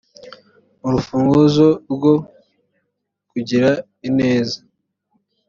urufunguzo rwo kugira ineza